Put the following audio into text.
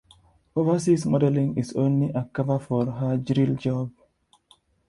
Overseas modeling is only a cover for her real job.